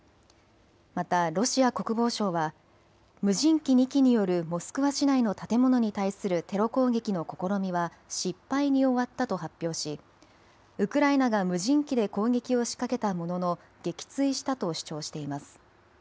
またロシア国防省は無人機２機によるモスクワ市内の建物に対するテロ攻撃の試みは失敗に終わったと発表しウクライナが無人機で攻撃を仕掛けたものの撃墜したと主張しています。